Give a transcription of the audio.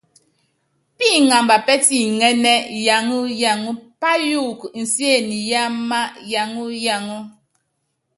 Píŋamba pɛ́tiŋɛ́nɛ́ yaŋɔ yaŋɔ, payuukɔ insiene yáámá yaŋɔ yaŋɔ.